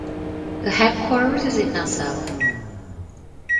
The headquarters is in Nassau.